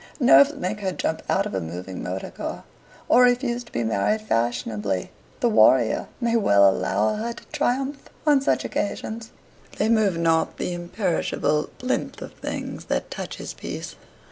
Nerves make her jump out of a moving motor car, or refuse to be married fashionably. The warrior may well allow her to triumph on such occasions; they move not the imperishable plinth of things that touch his peace.